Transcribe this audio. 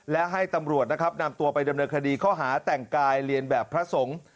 และให้ตำรวจนะครับนำตัวไปดำเนินคดีข้อหาแต่งกายเรียนแบบพระสงฆ์